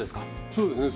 そうですね